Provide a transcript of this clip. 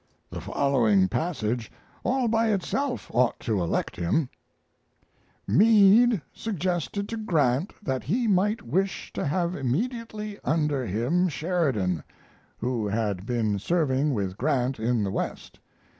The following passage all by itself ought to elect him: "Meade suggested to Grant that he might wish to have immediately under him Sherman, who had been serving with Grant in the West.